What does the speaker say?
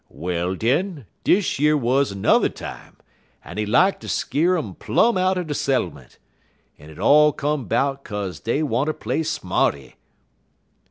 "Well, den, dish yer wuz n'er time, en he lak ter skeer um plum out'n de settlement. En it all come 'bout 'kaze dey wanter play smarty."